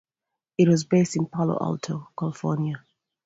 It was based in Palo Alto, California.